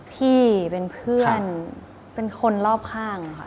พี่เป็นเพื่อนเป็นคนรอบข้างค่ะ